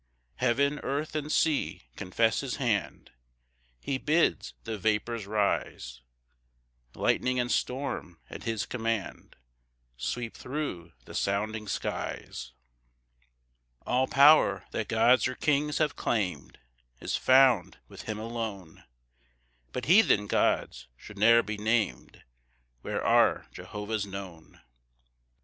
3 Heaven, earth, and sea, confess his hand; He bids the vapours rise; Lightning and storm at his command Sweep thro' the sounding skies. 4 All power, that gods or kings have claim'd Is found with him alone; But heathen gods should ne'er be nam'd Where our Jehovah's known.